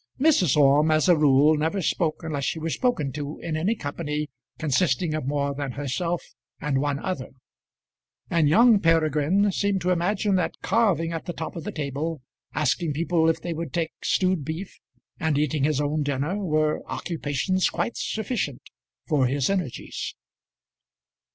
Mrs. Orme as a rule never spoke unless she were spoken to in any company consisting of more than herself and one other; and young Peregrine seemed to imagine that carving at the top of the table, asking people if they would take stewed beef, and eating his own dinner, were occupations quite sufficient for his energies.